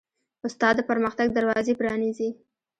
استاد د پرمختګ دروازې پرانیزي.